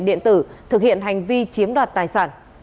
điện tử thực hiện hành vi chiếm đoạt tài sản